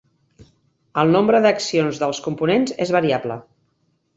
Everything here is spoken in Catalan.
El nombre d'accions dels components és variable.